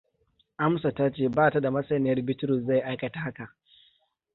Amsa ta ce bata da masaniyar Bitrus zai aikata haka.